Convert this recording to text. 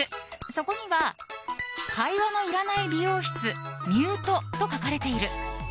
そこには、会話のいらない美容室ミュートと書かれている。